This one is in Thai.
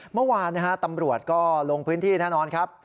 เมื่อวานนะฮะตำรวจก็ลงพื้นที่แน่นอนครับ